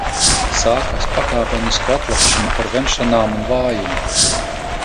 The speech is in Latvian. Sākās pakāpeniska atlabšana, ar vemšanām un vājumu.